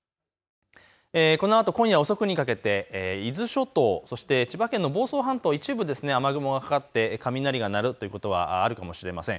このあと今夜遅くにかけて伊豆諸島、千葉県の房総半島一部雨雲がかかって雷が鳴るということがあるかもしれません。